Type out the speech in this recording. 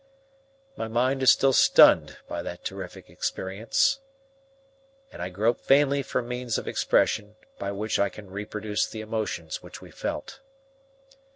My mind is still stunned by that terrific experience, and I grope vainly for means of expression by which I can reproduce the emotions which we felt.